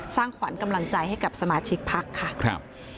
สร้างขวัญกำลังใจให้กับสมาชิกพักค่ะครับ